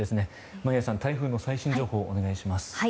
眞家さん、台風の最新情報をお願いします。